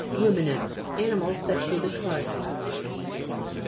RUMINANTS Animals that chew the cud.